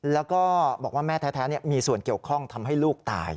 แล้วก็บอกว่าแม่แท้มีส่วนเกี่ยวข้องทำให้ลูกตาย